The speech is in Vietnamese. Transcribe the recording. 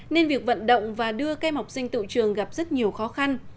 nên việc vận động và đưa cây mọc sinh tự trường gặp rất nhiều khó khăn